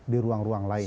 di ruang ruang lain